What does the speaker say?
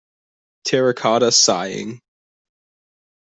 Terracotta Sighing.